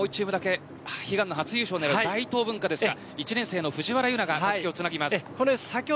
もう１チームだけ悲願の初優勝狙う大東文化ですが１年生の藤原がたすきをつなぎます。